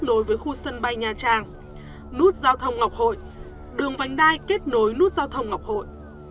nối với khu sân bay nha trang nút giao thông ngọc hội đường vánh đai kết nối nút giao thông ngọc hội